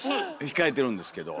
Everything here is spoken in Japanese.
控えてるんですけど。